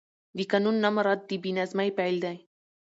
د قانون نه مراعت د بې نظمۍ پیل دی